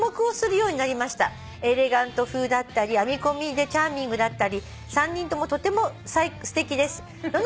「エレガント風だったり編み込みでチャーミングだったり３人ともとてもすてきです」